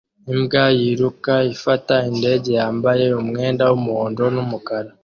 Imbwa yiruka ifata indege yambaye umwenda w'umuhondo n'umukara